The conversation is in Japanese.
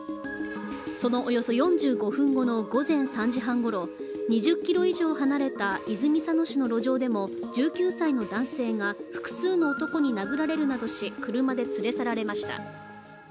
そのおよそ４５分後の午前３時半ごろ２０ｋｍ以上離れた泉佐野市の路上でも１９歳の男性が複数の男に殴られるなどし、車で連れ去られました。